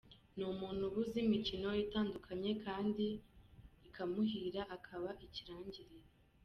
Ni umuntu uba uzi imikino itandukanye kandi ikamuhira akaba ikirangirire.